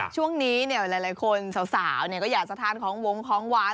ช่วงนี้หลายคนสาวก็อยากจะทานของวงของหวาน